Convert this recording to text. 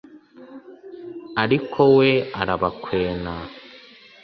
ariko we arabakwena